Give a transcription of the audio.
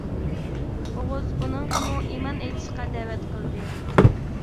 ئوغۇز ئۇنىڭغىمۇ ئىمان ئېيتىشقا دەۋەت قىلدى.